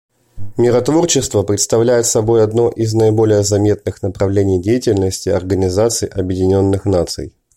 Миротворчество представляет собой одно из наиболее заметных направлений деятельности Организации Объединенных Наций.